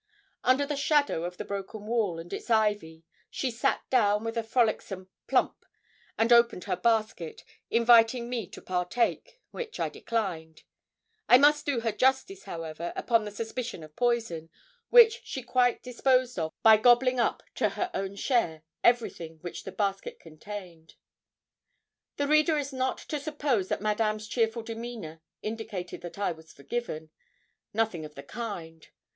Under the shadow of the broken wall, and its ivy, she sat down with a frolicsome plump, and opened her basket, inviting me to partake, which I declined. I must do her justice, however, upon the suspicion of poison, which she quite disposed of by gobbling up, to her own share, everything which the basket contained. The reader is not to suppose that Madame's cheerful demeanour indicated that I was forgiven. Nothing of the kind.